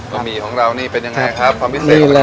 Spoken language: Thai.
บะหมี่ของเรานี่เป็นอย่างไรครับ